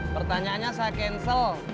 pertanyaannya saya cancel